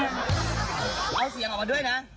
เอาเสียงออกมาด้วยนะ